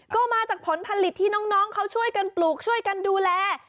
ก็มาจากผลผลิตที่น้องเขาช่วยกันปลูกช่วยกันดูแล